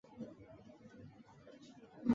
聂家寺的历史年代为清。